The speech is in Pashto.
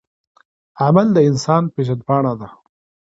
عمل د انسان پیژندپاڼه ده.